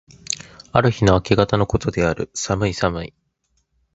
ある日の暮方の事である。寒い寒い。